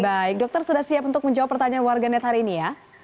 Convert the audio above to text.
baik dokter sudah siap untuk menjawab pertanyaan warganet hari ini ya